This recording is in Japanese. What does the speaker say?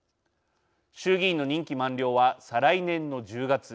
衆議院の任期満了は再来年の１０月。